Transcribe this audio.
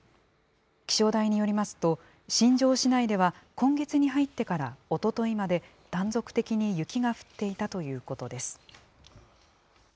気象台によりますと、新庄市内では、今月に入ってからおとといまで、断続的に雪が降っていたということです。